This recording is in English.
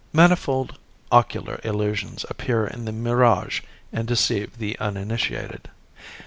Manifold ocular illusions appear in the mirage and deceive the uninitiated.